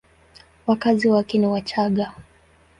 Wakazi wake ni Wachagga.